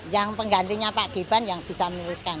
yang penggantinya pak gibran yang bisa meluruskan